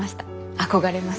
憧れます。